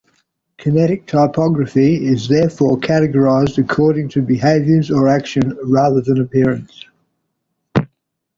Kinetic typography is therefore categorised according to behaviours or action, rather than appearance.